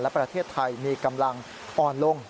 และประเทศไทยมีกำลังอ่อนลง